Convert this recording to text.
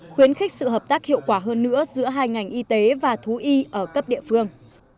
khuyến khích sự hợp tác hiệu quả hơn nữa giữa hai ngành y tế và thú y ở cấp địa phương